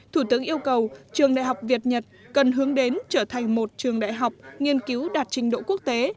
thủ tướng yêu cầu trường đại học việt nhật cần hướng đến trở thành một trường đại học nghiên cứu đạt trình độ quốc tế